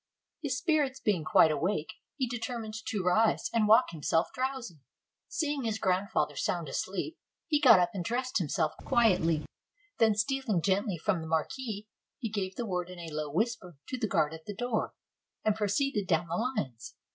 His spirits being quite awake, he deter mined to rise, and to walk himself drowsy. Seeing his grandfather sound asleep, he got up and dressed himself quietly; then stealing gently from the marquee, he gave the word in a low whisper to the guard at the door, and proceeded down the Hnes.